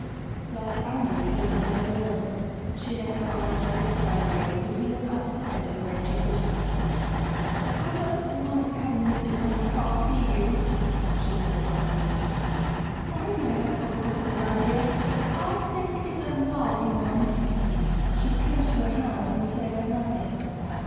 Dr. Andrews said nothing at all. She let her eyes flicker sidewise, but he was outside her range of vision. "I don't LIKE having you sit where I can't see you," she said crossly. "Freud may have thought it was a good idea, but I think it's a lousy one." She clenched her hands and stared at nothing.